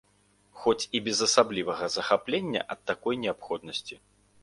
Хоць і без асаблівага захаплення ад такой неабходнасці.